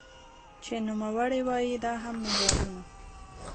چې نوموړې وايي دا هم د مېنرالونو